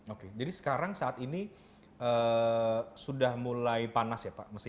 oke jadi sekarang saat ini sudah mulai panas ya pak